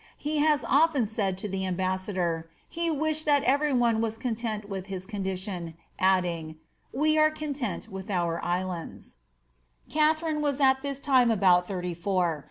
He has often said to the ambassador, he wish^ that one was content with his condition, adding, ^ we are content with Ands.' " harine was at this time about thirty foor.